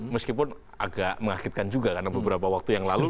meskipun agak mengakitkan juga karena beberapa waktu yang lalu